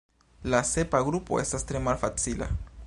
La sepa grupo estas tre malfacila.